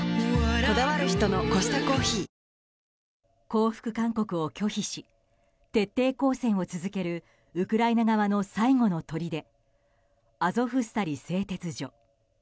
降伏勧告を拒否し徹底抗戦を続けるウクライナ側の最後のとりでアゾフスタリ製鉄所。